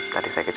tadi saya kecewa